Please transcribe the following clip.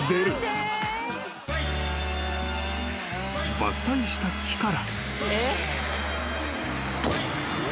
［伐採した木から］